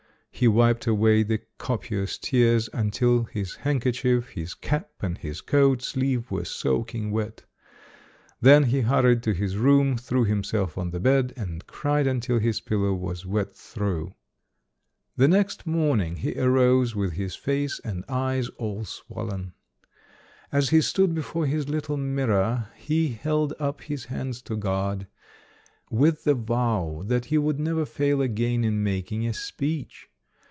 He wiped away the copious tears until his handkerchief, his cap and his coat sleeve were soaking wet. Then he hurried to his room, threw himself on the bed and cried until his pillow was wet through. The next 276 ] UNSUNG HEROES morning, he arose with his face and eyes all swol len. As he stood before his little mirror, he held up his hands to God, with the vow that he would never fail again in making a speech.